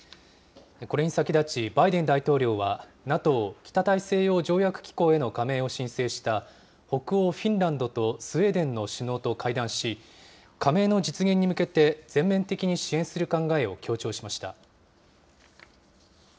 これに先立ち、バイデン大統領は、ＮＡＴＯ・北大西洋条約機構への加盟を申請した、北欧フィンランドとスウェーデンの首脳と会談し、加盟の実現に向けて全面的に支援する考えを強調しました。